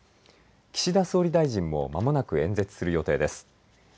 岸田総理大臣もまもなく演説する予定です。